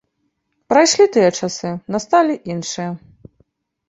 Прайшлі тыя часы, насталі іншыя.